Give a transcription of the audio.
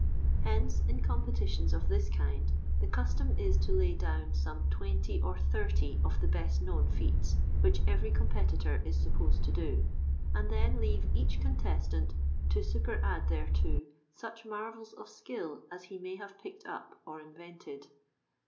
Hence in competitions of this kind the custom is to lay down some twenty or thirty of the best known feats which every competitor is supposed to do, and then leave each contestant to superadd thereto such marvels of skill as he may have picked up or invented.